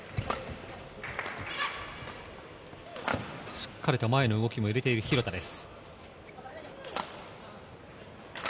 しっかりと前の動きも入れている廣田です。